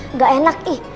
nggak enak ih